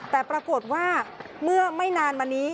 แต่ปรากฏว่าเมื่อไม่นานมานี้